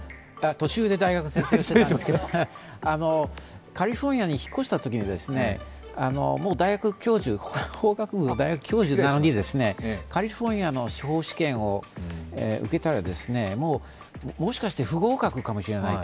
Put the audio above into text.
途中で大学の先生をしていたんですけどカリフォルニアに引っ越したときに、法学部の大学教授なのに、カリフォルニアの試験を受けたらもしかして不合格かもしれないと。